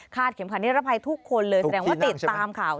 เข็มขัดนิรภัยทุกคนเลยแสดงว่าติดตามข่าว